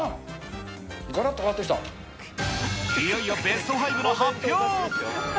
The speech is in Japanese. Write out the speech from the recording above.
ああ、いよいよベスト５の発表。